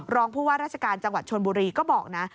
รองผู้ว่าราชการจังหวัดชนบุรีก็บอกนะ